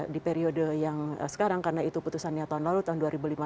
di periode yang sekarang karena itu putusannya tahun lalu tahun dua ribu lima belas